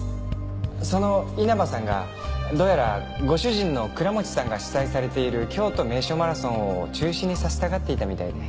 その稲葉さんがどうやらご主人の倉持さんが主催されている京都名所マラソンを中止にさせたがっていたみたいで。